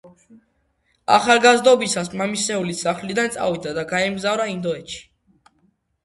ახალგაზრდობისას მამისეული სახლიდან წავიდა და გაემგზავრა ინდოეთში.